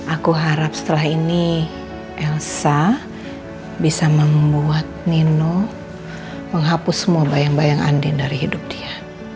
aku harap setelah ini elsa bisa membuat nino menghapus semua bayang bayang andin dari hidup dia